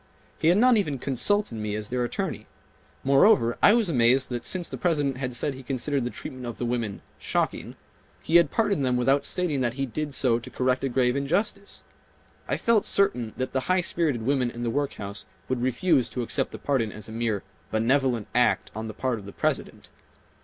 He had not even consulted me as their attorney. Moreover, I was amazed that since the President had said he considered the treatment of the women "shocking," he had pardoned them without stating that he did so to correct a grave injustice. I felt certain that the high spirited women in the workhouse would refuse to accept the pardon as a mere "benevolent" act on the part of the President.